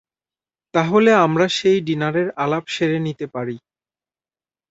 তাহলে আমরা সেই ডিনারের আলাপ সেরে নিতে পারি।